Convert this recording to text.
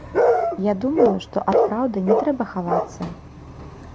Я думаю, што ад праўды не трэба хавацца.